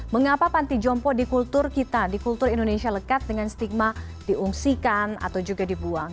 mengapa panti jompo di kultur kita di kultur indonesia lekat dengan stigma diungsikan atau juga dibuang